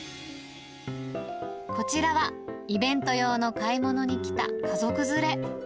こちらは、イベント用の買い物に来た家族連れ。